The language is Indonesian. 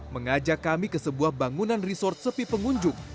mengajak kami ke sebuah bangunan resort sepi pengunjung